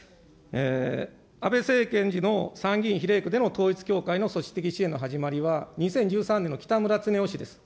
安倍政権時の参議院比例区での統一教会の組織的支援の始まりは２０１３年のきたむらつねお氏です。